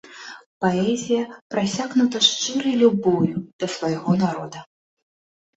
Паэзія прасякнута шчырай любоўю да свайго народа.